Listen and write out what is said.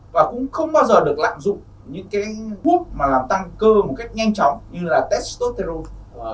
và cũng không bao giờ được lạm dụng những cái hút mà làm tăng cơ một cách nhanh chóng như là testosterone